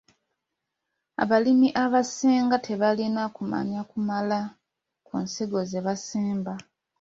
Abalimi abasinga tebalina kumanya kumala ku nsigo ze basimba.